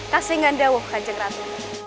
kasihkan dawah kanjeng ratu